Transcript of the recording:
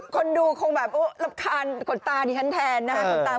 คนดูคงแบบโอ๊ยรับคาญขนตานี่แทนนะครับ